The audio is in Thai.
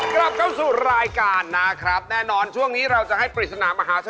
กลับเข้าสู่รายการนะครับ